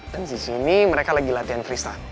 dan di sini mereka lagi latihan freestyle